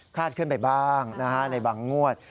ขึ้นไปบ้างในบางงวด